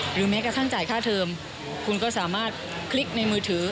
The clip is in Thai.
แม้กระทั่งจ่ายค่าเทอมคุณก็สามารถคลิกในมือถือ